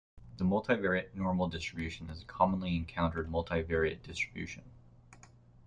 The multivariate normal distribution is a commonly encountered multivariate distribution.